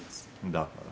だから？